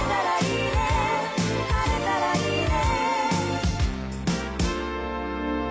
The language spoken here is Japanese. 「晴れたらいいね」